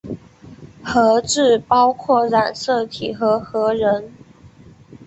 核质包括染色体和核仁。